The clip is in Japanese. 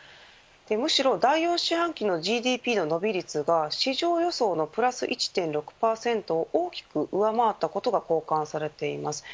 むしろ第４四半期のＧＤＰの伸び率が市場予想のプラス１．６％を大きく上回ったことが好感されています。